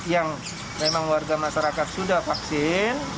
yang memang warga masyarakat sudah vaksin